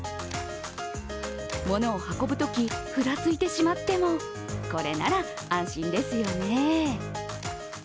物を運ぶときふらついてしまってもこれなら安心ですよね。